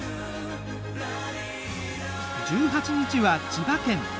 １８日は千葉県。